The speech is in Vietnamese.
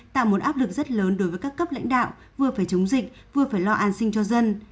tạo một áp lực rất lớn đối với các cấp lãnh đạo vừa phải chống dịch vừa phải lo an sinh cho dân